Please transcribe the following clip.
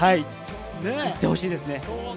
行ってほしいですね。